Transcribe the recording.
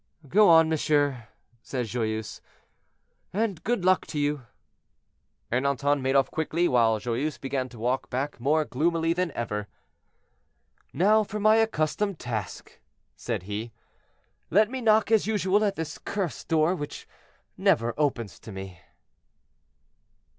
"Go, monsieur," said Joyeuse; "and good luck to you." Ernanton made off quickly, while Joyeuse began to walk back more gloomily than ever. "Now for my accustomed task," said he; "let me knock as usual at this cursed door which never opens to me."